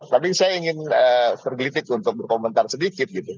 tapi saya ingin tergilitik untuk berkomentar sedikit